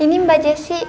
ini mbak jessy